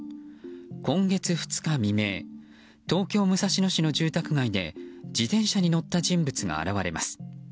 今月２日未明東京・武蔵野市の住宅街で自転車に乗った人物が現れます。